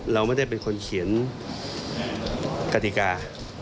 เราไม่ได้เป็นคนเขียนกติกา